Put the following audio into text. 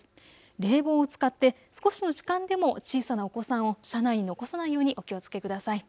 冷房を使って少しの時間でも小さなお子さんを車内に残さないようにお気をつけください。